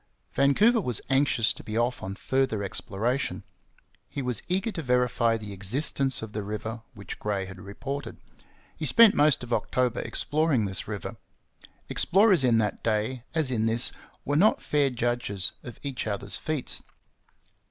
Vancouver was anxious to be off on further exploration. He was eager to verify the existence of the river which Gray had reported. He spent most of October exploring this river. Explorers in that day, as in this, were not fair judges of each other's feats.